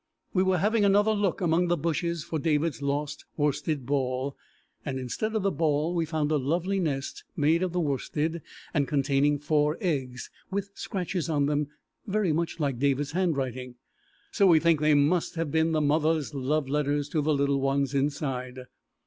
We were having another look among the bushes for David's lost worsted ball, and instead of the ball we found a lovely nest made of the worsted, and containing four eggs, with scratches on them very like David's handwriting, so we think they must have been the mother's love letters to the little ones inside.